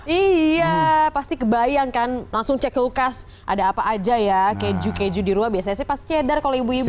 iya pasti kebayang kan langsung cek kulkas ada apa aja ya keju keju di rumah biasanya sih pasti kedar kalau ibu ibu ya